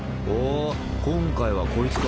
今回はこいつか。